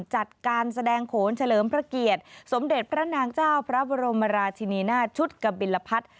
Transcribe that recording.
จัดการแสดงโขนเฉลิมพระเกียรติสมเด็จพระนางเจ้าพระบรมราชินีนาชุดกบิลพัฒน์